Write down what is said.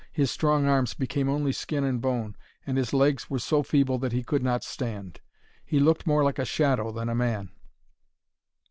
His strong arms became only skin and bone, and his legs were so feeble that he could not stand. He looked more like a shadow than a man.